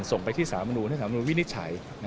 ส่งไปที่สารรัฐธรรมนูญให้สารรัฐธรรมนูญวินิจฉัย